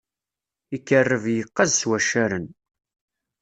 Ikerreb yeqqaz s waccaren.